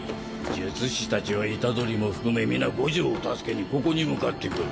術師たちは虎杖も含め皆五条を助けにここに向かってくる。